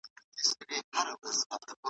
که ښځې اقتصاد پوهې وي نو انفلاسیون به نه وي.